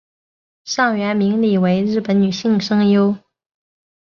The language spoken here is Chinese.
上原明里为日本女性声优。